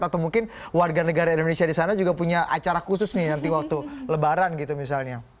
atau mungkin warga negara indonesia di sana juga punya acara khusus nih nanti waktu lebaran gitu misalnya